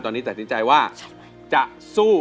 ตอนนี้ตัดสินใจว่าจะสู้